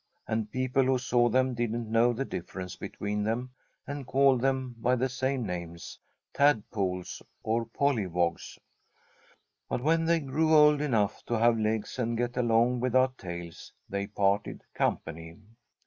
And people who saw them didn't know the difference between them and called them by the same names tadpoles or pollywogs. But when they grew old enough to have legs and get along without tails, they parted company.